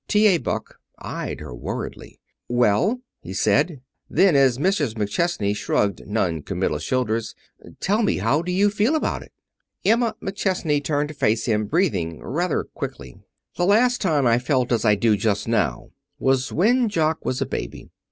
T.A. Buck eyed her worriedly. "Well?" he said. Then, as Mrs. McChesney shrugged noncommittal shoulders, "Tell me, how do you feel about it?" Emma McChesney turned to face him, breathing rather quickly. "The last time I felt as I do just now was when Jock was a baby.